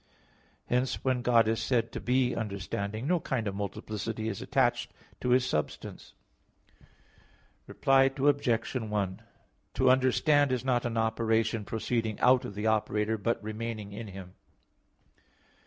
Hence when God is said to be understanding, no kind of multiplicity is attached to His substance. Reply Obj. 1: To understand is not an operation proceeding out of the operator, but remaining in him.